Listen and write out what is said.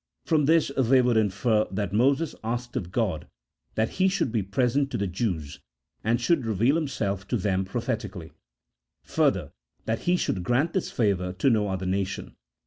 From this they would infer that Moses asked of God that He should be present to the Jews, and should reveal Himself to them prophetically ; further, that He should grant this favour to no other nation.